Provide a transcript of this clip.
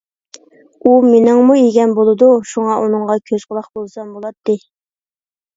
ئۇ مېنىڭمۇ ئىگەم بولىدۇ، شۇڭا ئۇنىڭغا كۆز - قۇلاق بولسام بولاتتى.